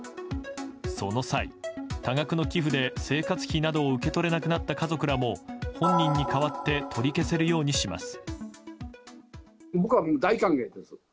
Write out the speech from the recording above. その際、多額の寄付で生活費などを受け取れなくなった家族らも本人に代わって取り消せるようにします。